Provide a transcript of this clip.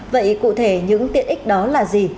vậy cụ thể những tiện ích đó là gì